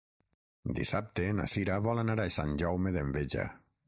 Dissabte na Sira vol anar a Sant Jaume d'Enveja.